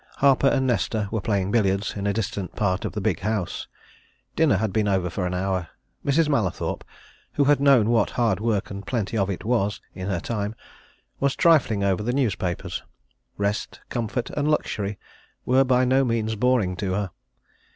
Harper and Nesta were playing billiards in a distant part of the big house. Dinner had been over for an hour; Mrs. Mallathorpe, who had known what hard work and plenty of it was, in her time, was trifling over the newspapers rest, comfort, and luxury were by no means boring to her.